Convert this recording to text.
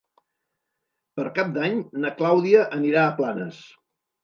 Per Cap d'Any na Clàudia anirà a Planes.